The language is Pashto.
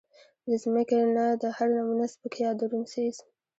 د زمکې نه د هر نمونه سپک يا درون څيز